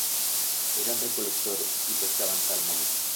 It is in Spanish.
Eran recolectores, y pescaban salmones.